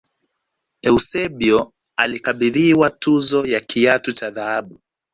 eusebio alikabidhiwa tuzo ya kiatu cha dhahabu